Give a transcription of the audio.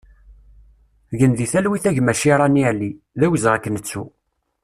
Gen di talwit a gma Cirani Ali, d awezɣi ad k-nettu!